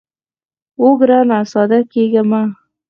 اوو ګرانه ساده کېږه مه.